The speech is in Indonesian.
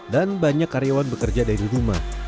dan banyak karyawan bekerja dari rumah